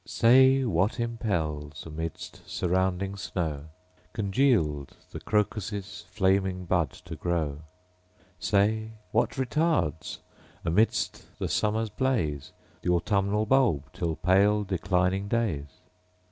Say, what impels, amidst surrounding snow, Congealed, the crocus' flamy bud to grow? Say, what retards, amidst the summer's blaze, Th' autumnal bulb till pale, declining days